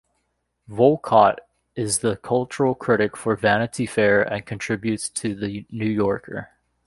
Wolcott is the cultural critic for "Vanity Fair" and contributes to "The New Yorker".